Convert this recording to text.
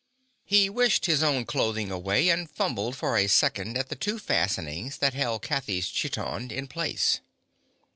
He wished his own clothing away, and fumbled for a second at the two fastenings that held Kathy's chiton in place.